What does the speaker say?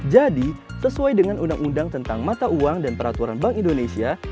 jadi sesuai dengan undang undang tentang mata uang dan peraturan bank indonesia